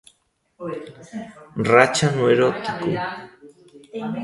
Racha no erótico.